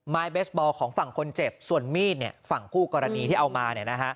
เบสบอลของฝั่งคนเจ็บส่วนมีดฝั่งคู่กรณีที่เอามา